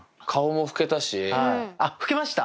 あっふけました？